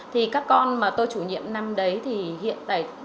thì các con mà tôi chủ nhiệm năm đấy thì hiện tại